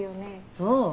そう？